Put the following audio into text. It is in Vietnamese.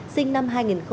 sinh năm hai nghìn hai